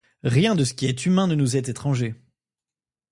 Rien de ce qui est humain ne nous est étranger.